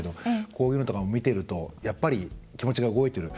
こういうのとかも見てるとやっぱり気持ちが動いてる。